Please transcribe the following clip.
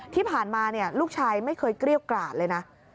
ที่ผ่านมาลูกชายไม่เคยเกรี้ยวกราดเลยนะ